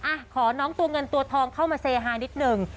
อ่ะขอน้องตัวเงินตัวทองเข้ามาเซฮานิดหนึ่ง